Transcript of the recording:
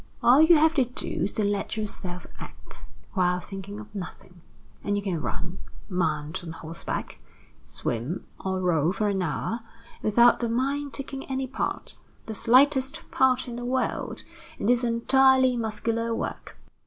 All you have to do is to let yourself act, while thinking of nothing, and you can run, mount on horseback, swim, or row for an hour, without the mind taking any part the slightest part in the world in this entirely muscular work."